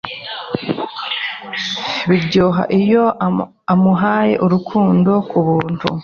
Biryoha iyo amuhaye urukundo kubuntu